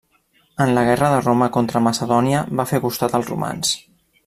En la guerra de Roma contra Macedònia va fer costat als romans.